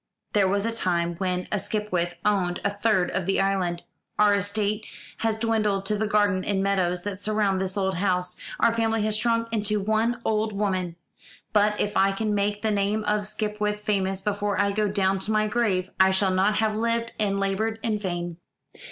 There was a time when a Skipwith owned a third of the island. Our estate has dwindled to the garden and meadows that surround this old house; our family has shrunk into one old woman; but if I can make the name of Skipwith famous before I go down to my grave, I shall not have lived and laboured in vain."